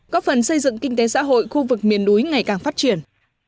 góp phần xây dựng kinh tế xã hội khu vực miền núi ngày càng phát triển